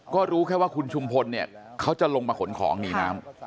ก็รู้แค่ว่าคุณชุมพลเนี่ยเขาจะลงมาขนของหนีน้ำ